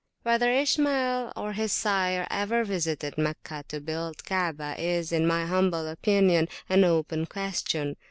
Whether Ishmael or his sire ever visited Meccah to build the Kaabah is, in my humble opinion, an open question.